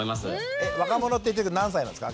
えっ若者って言ってるけど何歳なんですか？